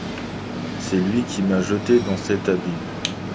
C’est lui qui m’a jetée dans cet abîme!